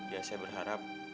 ya saya berharap